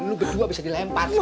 lu berdua bisa dilempar